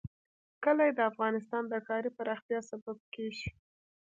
کلي د افغانستان د ښاري پراختیا سبب کېږي.